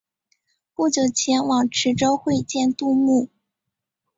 不久前往池州会见杜牧。